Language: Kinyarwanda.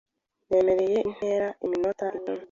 Nemereye intera yiminota icumi .